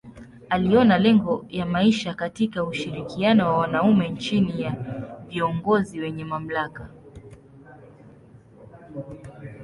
Aliona lengo ya maisha katika ushirikiano wa wanaume chini ya viongozi wenye mamlaka.